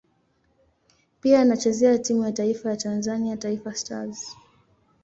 Pia anachezea timu ya taifa ya Tanzania Taifa Stars.